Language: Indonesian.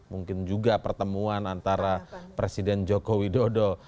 mungkin juga pertemuan antara presiden joko widodo